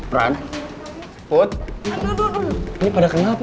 peran put ini pada kenapa